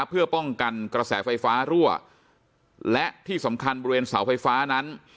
เพื่อป้องกันกระแสไฟฟ้ารั่วและที่สำคัญบริเวณเสาไฟฟ้านั้น